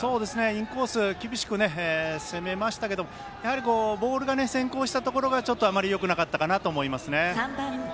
インコースに厳しく攻めましたけどやはりボールが先行したところがあまりよくなかったかなと思いますね。